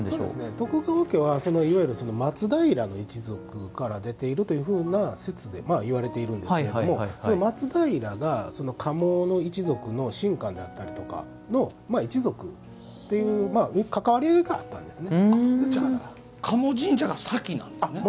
徳川家は、いわゆる松平の一族から出ているという説で言われているんですけど松平が賀茂の一族の臣下になったりとか一族っていう関わりがあったんですね。